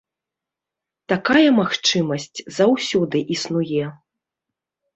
Такая магчымасць заўсёды існуе.